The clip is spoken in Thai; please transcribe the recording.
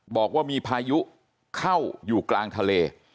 บอกว่ามีพายุเข้าอยู่กลางทะเล